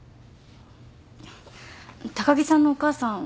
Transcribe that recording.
高木さんのお母さん